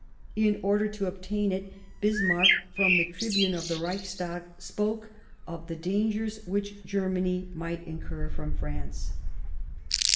In order to 192 The German Empire obtain it, Bismarck, from the tribune of the Reichs tag, spoke of the dangers which Germany might incur from France.